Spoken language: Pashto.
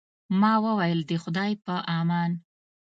ما وویل، د خدای په امان.